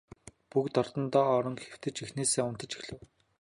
Бүгд орондоо орон хэвтэж эхнээсээ унтаж эхлэв.